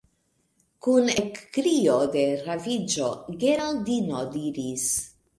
Kun ekkrio de raviĝo Geraldino diris: